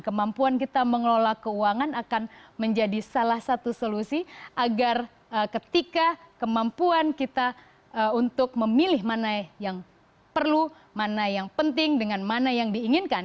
kemampuan kita mengelola keuangan akan menjadi salah satu solusi agar ketika kemampuan kita untuk memilih mana yang perlu mana yang penting dengan mana yang diinginkan